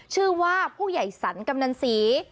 ชื่อว่าผู้ใหญ่สรรกำนันศรี